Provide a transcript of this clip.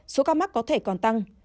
số ca mắc có thể còn tăng